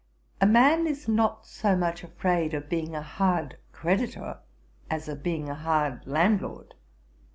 A man is not so much afraid of being a hard creditor, as of being a hard landlord.'